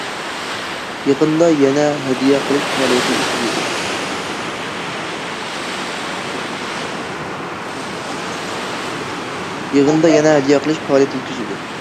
يىغىندا يەنە ھەدىيە قىلىش پائالىيىتى ئۆتكۈزۈلدى.